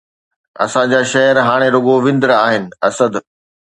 اسان جا شعر هاڻي رڳو وندر آهن، اسد!